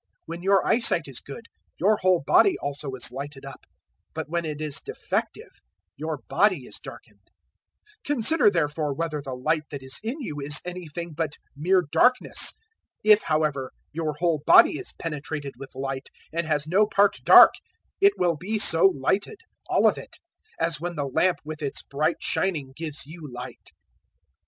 When your eyesight is good, your whole body also is lighted up; but when it is defective, your body is darkened. 011:035 Consider therefore whether the light that is in you is anything but mere darkness. 011:036 If, however, your whole body is penetrated with light, and has no part dark, it will be so lighted, all of it, as when the lamp with its bright shining gives you light."